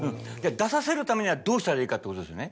出させるためにはどうしたらいいかってことですよね。